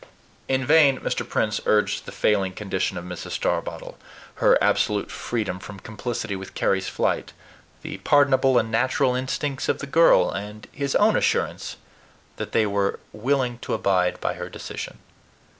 In vain Mr. Prince urged the failing condition of Mrs. Starbottle, her absolute freedom from complicity with Carry's flight, the pardonable and natural instincts of the girl, and his own assurance that they were willing to abide by her decision.